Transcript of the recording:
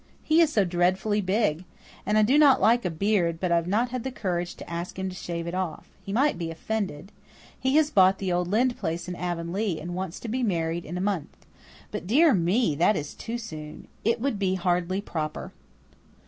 "He is so dreadfully big! And I do not like a beard, but I have not the courage to ask him to shave it off. He might be offended. He has bought the old Lynde place in Avonlea and wants to be married in a month. But, dear me, that is too soon. It it would be hardly proper."